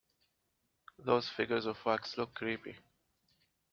These figures of wax look creepy.